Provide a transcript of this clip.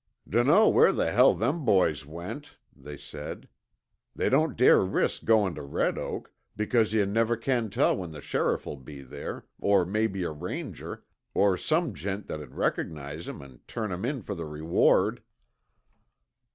"Dunno where the hell them boys went," they said. "They don't dare risk goin' tuh Red Oak, because yuh never can tell when the sheriff'll be there, or maybe a Ranger, or some gent that'd recognize 'em an' turn 'em in fer the reward."